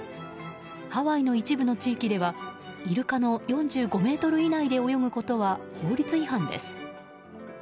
ハワイの一部の地域ではイルカの４５ｍ以内で泳ぐことは法律違反です。